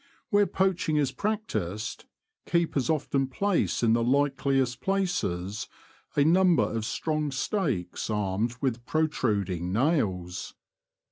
Where poaching is practised, keepers often place in the likeHest places a number of strong stakes armed with protruding nails.